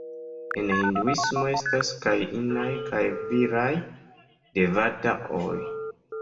En Hinduismo estas kaj inaj kaj viraj devata-oj.